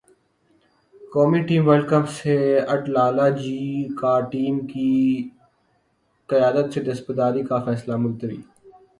قومی team world cup سے اٹ لالہ جی کا ٹیم کی قیادت سے دستبرداری کا فیصلہ ملتوی